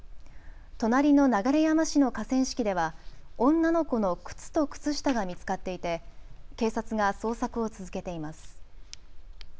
隣の流山市の河川敷では女の子の靴と靴下が見つかっていて警察が捜索を続けています。